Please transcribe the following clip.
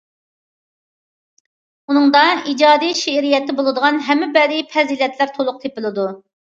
ئۇنىڭدا ئىجادىي شېئىرىيەتتە بولىدىغان ھەممە بەدىئىي پەزىلەتلەر تولۇق تېپىلىدۇ.